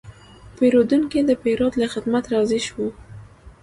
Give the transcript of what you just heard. پیرودونکی د پیرود له خدمت راضي شو.